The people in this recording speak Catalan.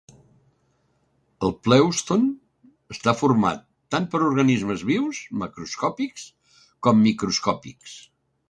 El plèuston està format tant per organismes vius macroscòpics com microscòpics.